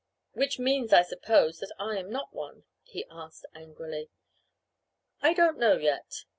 "Which means, I suppose, that I'm not one?" he asked angrily. "I don't know yet."